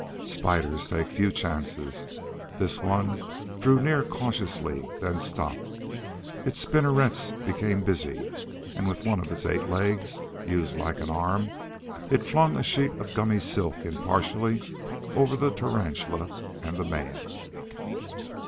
Spiders take few chances. This one drew near cautiously, then stopped. Its spinnerets became busy and with one of its eight legs, used like an arm, it flung a sheet of gummy silk impartially over the tarantula and the man.